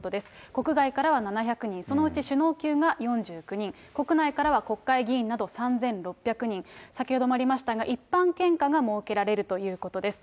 国外からは７００人、そのうち首脳級が４９人、国内からは国会議員など３６００人、先ほどもありましたが、一般献花が設けられるということです。